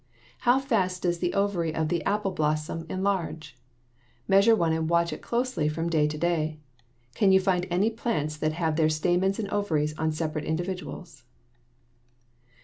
How fast does the ovary of the apple blossom enlarge? Measure one and watch it closely from day to day. Can you find any plants that have their stamens and ovaries on separate individuals?